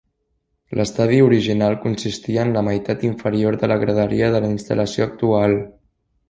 L'estadi original consistia en la meitat inferior de la graderia de la instal·lació actual.